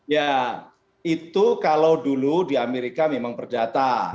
ya itu kalau dulu di amerika memang perdata